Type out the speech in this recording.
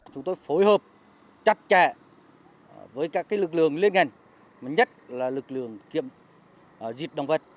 chúng tôi phối hợp chặt chẽ với các lực lượng liên ngành nhất là lực lượng kiểm dịch động vật